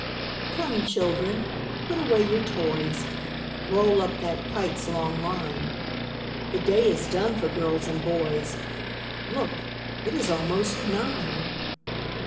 "Come, children, put away your toys; Roll up that kite's long line; The day is done for girls and boys Look, it is almost nine!